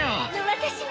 私も。